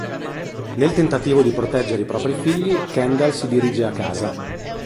Nel tentativo di proteggere i propri figli, Kendall si dirige a casa.